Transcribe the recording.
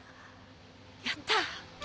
やった。